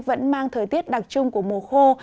vẫn mang thời tiết đặc trung của mùa khô